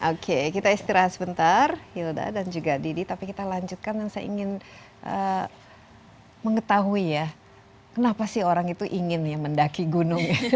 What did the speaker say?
oke kita istirahat sebentar hilda dan juga didi tapi kita lanjutkan dan saya ingin mengetahui ya kenapa sih orang itu ingin ya mendaki gunung